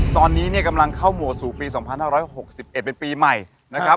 ตอนนี้เนี่ยกำลังเข้าโหมดสู่ปีสองพันห้าร้อยหกสิบเอ็ดเป็นปีใหม่นะครับ